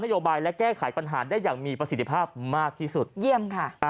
โยบายและแก้ไขปัญหาได้อย่างมีประสิทธิภาพมากที่สุดเยี่ยมค่ะอ่า